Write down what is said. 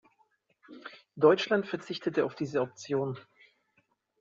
Deutschland verzichtete auf diese Option.